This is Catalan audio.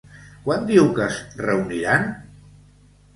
Quan diu que es reuniran?